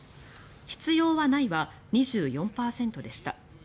必要はないは２４％でした。